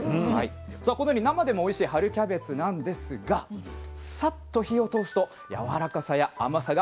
さあこのように生でもおいしい春キャベツなんですがさっと火を通すとやわらかさや甘さがぐっと引き立つんです。